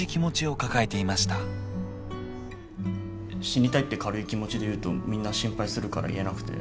死にたいって軽い気持ちで言うとみんな心配するから言えなくて。